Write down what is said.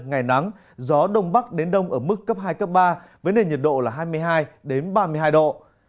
ngày nắng gió đông bắc đến đông ở mức cấp hai cấp ba với nền nhiệt độ là hai mươi hai ba mươi hai độ